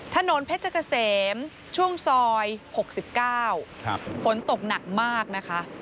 ถนนเพชรเกษมช่วงซอย๖๙ฝนตกหนักมากนะคะ